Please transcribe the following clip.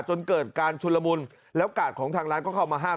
จนเกิดการชุนละมุนแล้วกาดของทางร้านก็เข้ามาห้าม